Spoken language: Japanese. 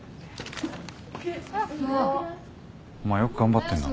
お前よく頑張ってんな。